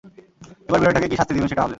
এবার বিড়ালটাকে কী শাস্তি দেবেন, সেটা ভাবলেন।